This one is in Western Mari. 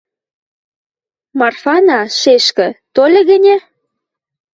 Марфана, шешкӹ, тольы гӹньӹ?